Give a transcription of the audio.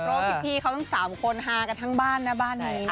เพราะพี่เขาต้องสามคนฮากันทั้งบ้านในบ้านนี้ค่ะ